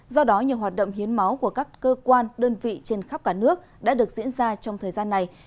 do đó nhiều hoạt động hiến máu của các cơ quan đơn vị trên khắp cả nước đã được diễn ra trong thời gian này